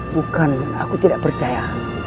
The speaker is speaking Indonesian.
bukan aku tidak percaya